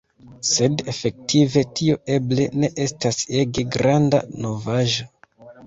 Sed efektive tio eble ne estas ege granda novaĵo.